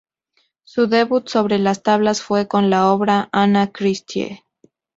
Su debut sobre las tablas fue con la obra "Anna Christie".